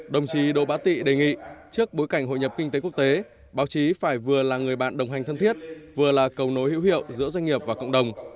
đồng chí đỗ bá tị đề nghị trước bối cảnh hội nhập kinh tế quốc tế báo chí phải vừa là người bạn đồng hành thân thiết vừa là cầu nối hữu hiệu giữa doanh nghiệp và cộng đồng